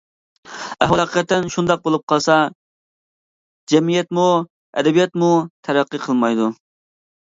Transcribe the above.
ئەھۋال ھەقىقەتەن شۇنداق بولۇپ قالسا، جەمئىيەتمۇ، ئەدەبىياتمۇ تەرەققىي قىلمايدۇ.